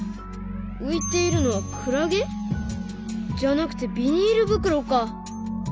浮いているのはクラゲ？じゃなくてビニール袋か。